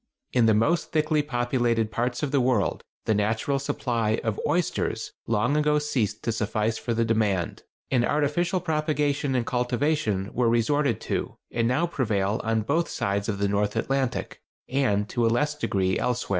In the most thickly populated parts of the world the natural supply of oysters long ago ceased to suffice for the demand, and artificial propagation and cultivation were resorted to and now prevail on both sides of the North Atlantic, and to a less degree elsewhere.